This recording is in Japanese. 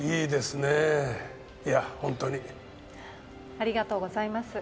ありがとうございます。